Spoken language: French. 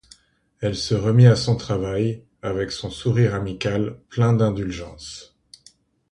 Elle se remit à son travail, avec son sourire amical, plein d'indulgence.